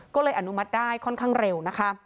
ก็เลยอนุมัติได้ค่อนข้างเร็วนะคะ